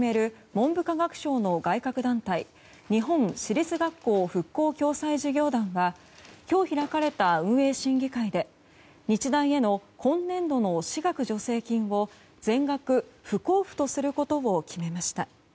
文部科学省の外郭団体日本私立学校振興・共済事業団は今日開かれた運営審議会で日大への今年度の私学助成金を全額不交付とすることを決めました。